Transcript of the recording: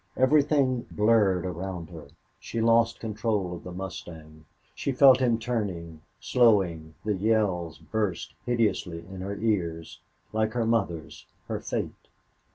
Everything blurred around her. She lost control of the mustang. She felt him turning, slowing, the yells burst hideously in her ears. Like her mother's her fate.